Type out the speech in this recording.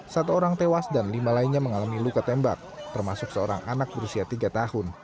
satu orang tewas dan lima lainnya mengalami luka tembak termasuk seorang anak berusia tiga tahun